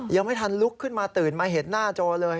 ยังไม่ทันลุกขึ้นมาตื่นมาเห็นหน้าโจเลย